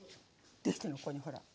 できてんのここにほら。